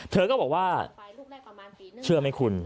เธอก็บอกว่าเชื่อไหมคุณ